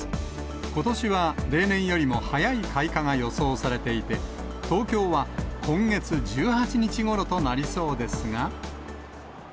ことしは例年よりも早い開花が予想されていて、東京は今月１８日ごろとなりそうですが。